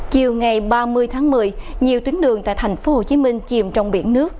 chiều ngày ba mươi tháng một mươi nhiều tuyến đường tại tp hcm chìm trong biển nước